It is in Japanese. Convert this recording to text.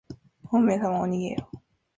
ほうめいさまおにげよ。